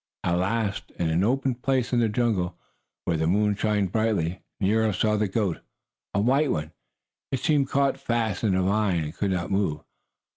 At last, in an open place in the jungle, where the moon shone brightly, Nero saw the goat, a white one. It seemed caught fast in a vine, and could not move.